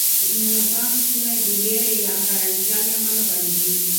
د ملا بانګ ستونی د وېرې یا حیرانتیا له امله بندېږي.